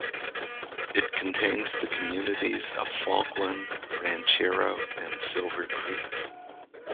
It contains the communities of Falkland, Ranchero, and Silver Creek.